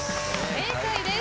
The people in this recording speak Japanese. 正解です。